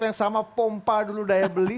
yang sama pompa dulu daya beli